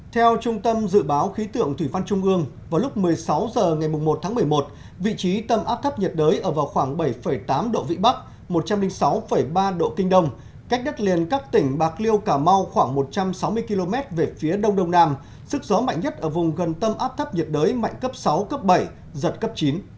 theo trung tâm dự báo khí tượng thủy văn trung ương vào lúc một mươi sáu h ngày một tháng một mươi một vị trí tâm áp thấp nhiệt đới ở vào khoảng bảy tám độ vĩ bắc một trăm linh sáu ba độ kinh đông cách đất liền các tỉnh bạc liêu cà mau khoảng một trăm sáu mươi km về phía đông đông nam sức gió mạnh nhất ở vùng gần tâm áp thấp nhiệt đới mạnh cấp sáu cấp bảy giật cấp chín